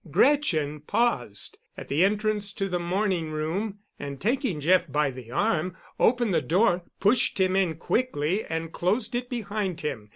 Gretchen paused at the entrance to the morning room, and, taking Jeff by the arm, opened the door, pushed him in quickly, and closed it behind him.